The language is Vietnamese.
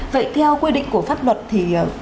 vậy theo quy định của pháp luật thì